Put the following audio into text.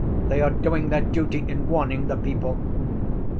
They are doing their duty in warning the people.